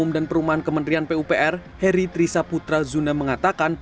dan perumahan kementerian pupr heri trisaputra zuna mengatakan